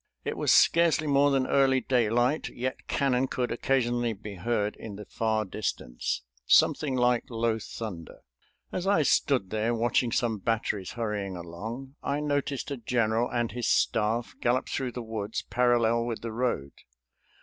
It was scarcely more than early daylight, yet cannon could occasionally be heard in the far distance, something like low thunder. As I stood there watching some batteries hurrying along I noticed a general and his staff gallop through the woods, parallel with the road.